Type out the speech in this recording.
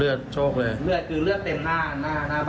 เลือดโชคเลยเลือดคือเลือดเต็มหน้าบานหน้าห้องผมเลยครับ